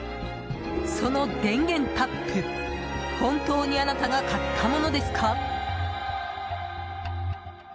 その電源タップ、本当にあなたが買ったものですか。